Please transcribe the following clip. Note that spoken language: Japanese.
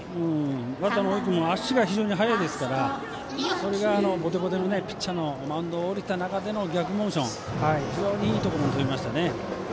バッターの大井君も足が非常に速いですからそれがボテボテのピッチャーがマウンドを降りた中での逆モーション非常にいいところに飛びましたね。